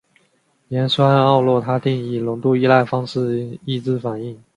盐酸奥洛他定以浓度依赖方式抑制反应。